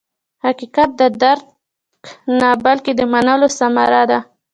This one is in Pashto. حقیقت د درک نه، بلکې د منلو ثمره ده.